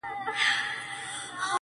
که نقاب پر مخ نیازبینه په مخ راسې,